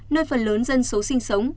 nơi phần lớn dân số sinh sống